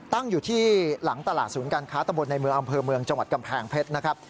ตั้งอยู่ที่หลังตลาดศูนย์การค้าตะบนในเมืองอำเภอเมืองจังหวัดกำแพงเพชรนะครับ